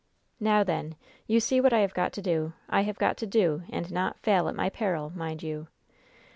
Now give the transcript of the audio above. "Now, then, you see what I have got to do. I have got to do, and 'fail not at my peril,' mind you.